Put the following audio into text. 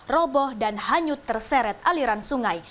roboh dan hanyut terseret aliran sungai